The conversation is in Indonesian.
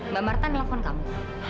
mbak marta ngelepon kamu